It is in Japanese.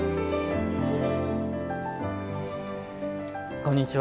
こんにちは。